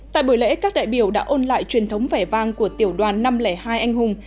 tại buổi lễ các đại biểu đã ôn lại truyền thống vẻ vang của tiểu đoàn năm trăm linh hai anh hùng